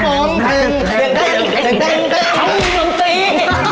เขามีดนตรี